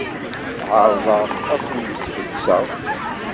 Ɛerḍeɣ ad ken-id-ssukkseɣ.